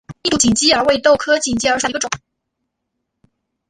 印度锦鸡儿为豆科锦鸡儿属下的一个种。